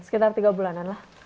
sekitar tiga bulanan lah